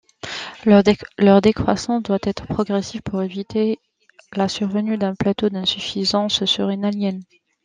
Leur décroissance doit être progressive pour éviter la survenue d'un tableau d'insuffisance surrénalienne.